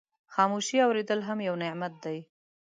خاموشي اورېدل هم یو نعمت دی.